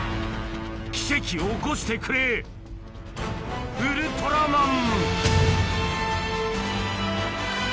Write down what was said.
奇跡を起こしてくれウルトラマン！